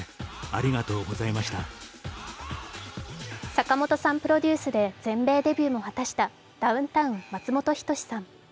坂本さんプロデュースで全米デビューも果たしたダウンタウン・松本人志さん。